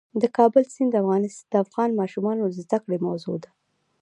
د کابل سیند د افغان ماشومانو د زده کړې موضوع ده.